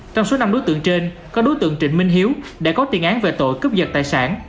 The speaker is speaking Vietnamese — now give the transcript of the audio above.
trong số năm đối tượng trên có đối tượng trịnh minh hiếu đã có tiền án về tội cướp giật tài sản